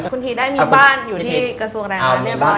คุณทีได้มีบ้านอยู่ที่กระทรวงแรงงานเรียบร้อย